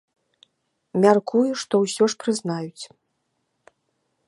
Мяркую, што ўсё ж прызнаюць.